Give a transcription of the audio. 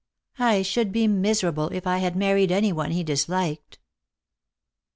I should be miserable if I had married any one he liBliked."